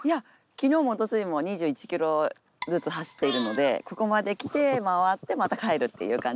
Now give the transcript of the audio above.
昨日もおとついも２１ｋｍずつ走っているのでここまで来て回ってまた帰るっていう感じで。